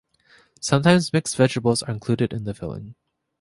Sometimes mixed vegetables are included in the filling.